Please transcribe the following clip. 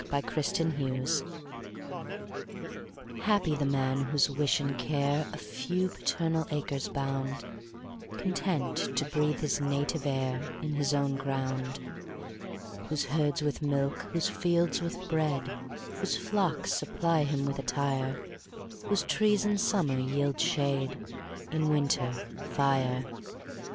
Y Z Solitude HAPPY the man, whose wish and care A few paternal acres bound, Content to breathe his native air In his own ground. Whose herds with milk, whose fields with bread, Whose flocks supply him with attire; Whose trees in summer yield shade, In winter, fire.